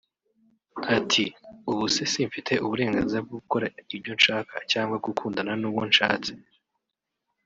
Ati “Ubu se simfite uburenganzira bwo gukora ibyo nshaka cyangwa gukundana n’uwo nshatse